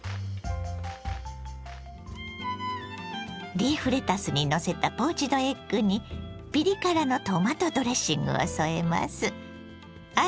リーフレタスにのせたポーチドエッグにピリ辛のトマトドレッングを添えます。